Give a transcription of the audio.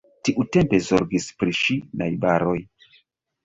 Tiutempe zorgis pri ŝi najbaroj.